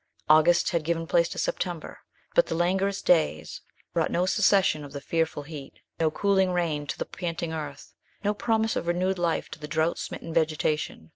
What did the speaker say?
August had given place to September, but the languorous days brought no cessation of the fearful heat, no cooling rain to the panting earth, no promise of renewed life to the drought smitten vegetation.